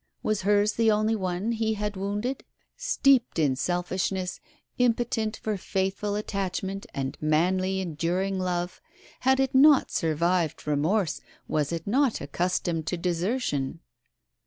Was hers the only one he had wounded? Steeped in selfishness, impotent for faithful attachment and manly enduring love had it not survived remorse, was it not accustomed to desertion?"